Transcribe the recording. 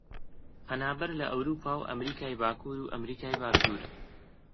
پەنابەر لە ئەورووپا و ئەمریکای باکوور و ئەمریکای باشوور